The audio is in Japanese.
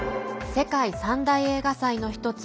世界三大映画祭の１つ